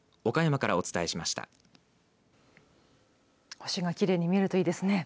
星がきれいに見えるといいですね。